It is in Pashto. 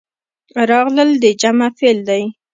راغلل د جمع فعل دی.